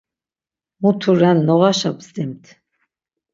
Mutu ren noğaşa bzdimt.